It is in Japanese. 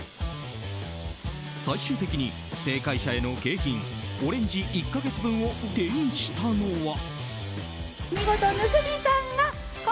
最終的に、正解者への景品オレンジ１か月分を手にしたのは。